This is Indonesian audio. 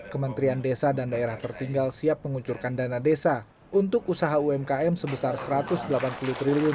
kementerian desa dan daerah tertinggal siap menguncurkan dana desa untuk usaha umkm sebesar rp satu ratus delapan puluh triliun